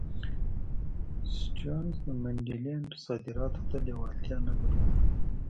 سټیونز د منډلینډ صادراتو ته لېوالتیا نه درلوده.